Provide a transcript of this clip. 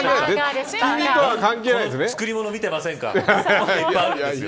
作り物、見てませんか。